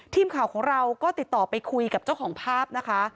ทีมข่าวของเราก็ติดต่อไปคุยกับเจ้าของภาพนะคะ